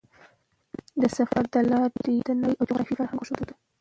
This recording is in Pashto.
د سفر له لارې یې د نړۍ جغرافیه او فرهنګ وښود.